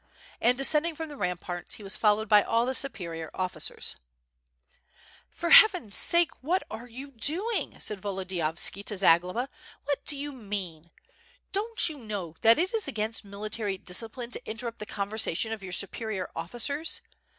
And descending from the ramparts he was followed by all the superior officers. 724 WITH FIRE AND SWORD. "For Heaven's sake! what are you doing?'' said Volodi yovski to Zagloba. "What do you mean? Don't you know that it is against military discipline to interrupt the conver sation of your superior officers?